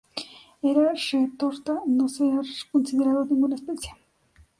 En "Retorta" no se ha considerado ninguna especie.